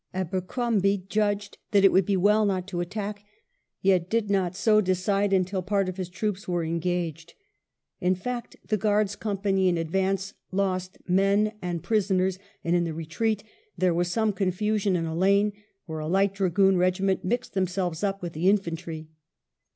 Abercrombie judged that it would be well not to attack, yet did not so decide until part of his troops were engaged. In fact the Guards company in advance lost men and prisoners, and in the retreat there was some confusion in a lane, where a light dragoon regiment mixed themselves up with the infantry.